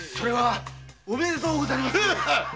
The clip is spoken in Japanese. おめでとうござりまする。